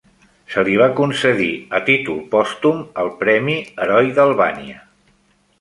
Se li va concedir a títol pòstum el premi "Heroi d'Albània".